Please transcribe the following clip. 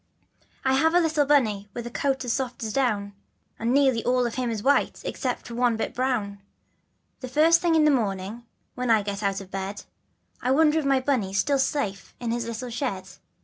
T HAVE a little Bunny with a coat as soft as down, And nearly all of him is white except one bit of brown. The first thing in the morning when I get out of bed, I wonder if my Bunny's still safe in his little shed.